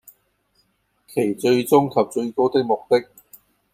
其最終及最高的目的